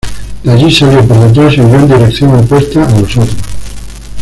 De allí salió por detrás y huyó en dirección opuesta a los otros.